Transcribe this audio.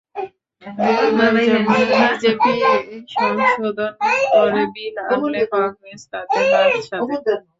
এবার যেমন বিজেপি সংশোধন করে বিল আনলে কংগ্রেস তাতে বাদ সাধে।